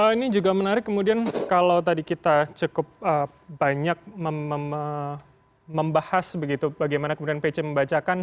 ini juga menarik kemudian kalau tadi kita cukup banyak membahas begitu bagaimana kemudian pc membacakan